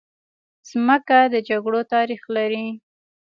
مځکه د جګړو تاریخ لري.